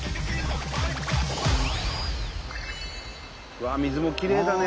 うわ水もきれいだね。